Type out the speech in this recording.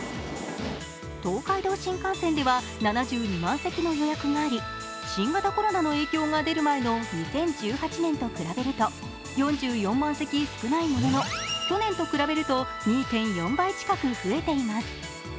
東海道新幹線では７２万席の予約があり、新型コロナの影響が出る前の２０１８年と比べると、４４万席少ないものの去年と比べると２．４倍近く増えています。